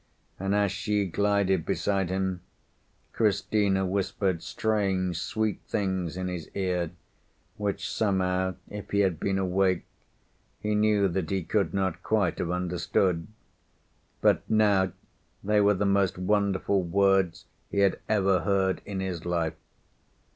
And as she glided beside him, Cristina whispered strange, sweet things in his ear, which somehow, if he had been awake, he knew that he could not quite have understood; but now they were the most wonderful words he had ever heard in his life.